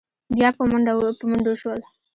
بيا په منډو شول.